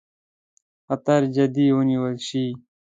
خطر جدي ونیول شي.